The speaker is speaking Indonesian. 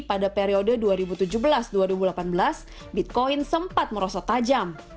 pada periode dua ribu tujuh belas dua ribu delapan belas bitcoin sempat merosot tajam